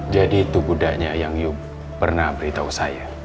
jadi itu budaknya yang yu pernah beritahu saya